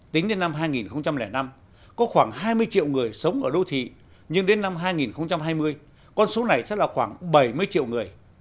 tính đến năm hai nghìn năm có khoảng hai mươi triệu người sống ở đô thị nhưng đến năm hai nghìn hai mươi con số này sẽ là khoảng bảy mươi triệu người